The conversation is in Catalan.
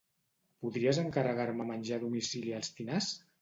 Podries encarregar-me menjar a domicili als Tinars?